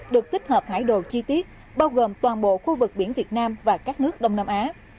được tích hợp hải đồ chi tiết bao gồm toàn bộ khu vực biển việt nam và các nước đông nam á